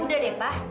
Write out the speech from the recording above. udah deh pa